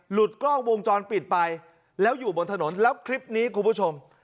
กล้องวงจรปิดไปแล้วอยู่บนถนนแล้วคลิปนี้คุณผู้ชม